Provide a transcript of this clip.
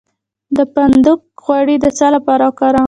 د فندق غوړي د څه لپاره وکاروم؟